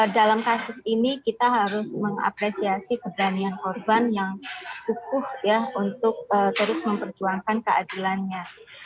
dalam kasus ini kita harus mengapresiasi keberanian korban yang kukuh ya untuk terus memperjuangkan keadilannya